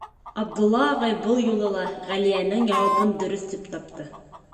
Абдулла ағай был юлы ла Ғәлиәнең яуабын дөрөҫ тип тапты.